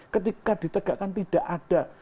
ketika ditegakkan tidak ada